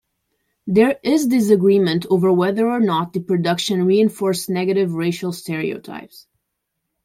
There is disagreement over whether or not the production reinforced negative racial stereotypes.